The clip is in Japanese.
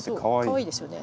かわいいですよね。